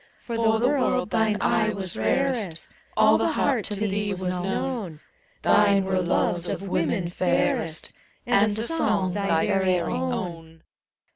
For the world thine eye was rarest. All the heart to thee was known: Thine were loves of women fairest, And a song thy very own.